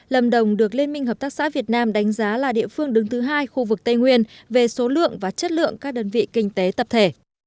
lâm đồng được liên minh hợp tác xã việt nam đánh giá là địa phương đứng thứ hai khu vực tây nguyên về số lượng và chất lượng các đơn vị kinh tế tập thể